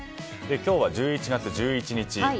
今日は１１月１１日。